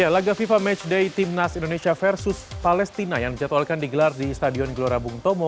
laga fifa matchday timnas indonesia versus palestina yang dijadwalkan digelar di stadion gelora bung tomo